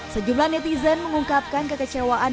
sejumlah netizen mengungkapkan kekecewaan